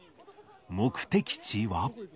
目的地は。